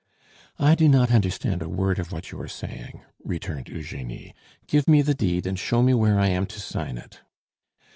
"I do not understand a word of what you are saying," returned Eugenie; "give me the deed, and show me where I am to sign it."